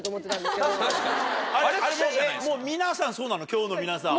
今日の皆さんは。